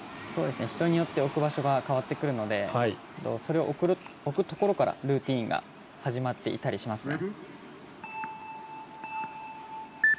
人によって置く場所が変わってくるのでそれを置くところからルーティンが始まっていたりしますね。